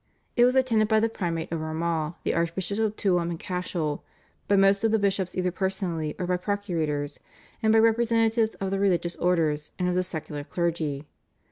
It was attended by the Primate of Armagh, the Archbishops of Tuam and Cashel, by most of the bishops either personally or by procurators, and by representatives of the religious orders and of the secular clergy.